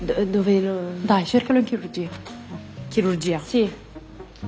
そう。